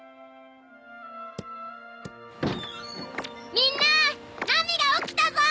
みんなナミが起きたぞ！